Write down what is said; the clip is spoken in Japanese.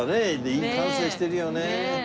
いい感性してるよね。